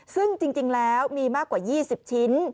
ซึ่งจริงแล้วมีมากกว่า๒๐ชิ้น